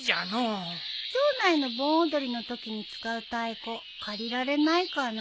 町内の盆踊りのときに使う太鼓借りられないかな？